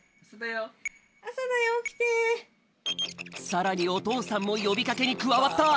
さらにおとうさんもよびかけにくわわった！